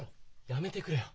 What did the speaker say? やめてくれよ